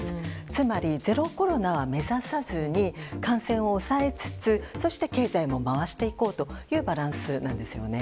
つまりゼロコロナは目指さずに感染を抑えつつそして経済も回していこうというバランスなんですね。